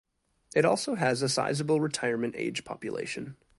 It also has a sizable retirement age population.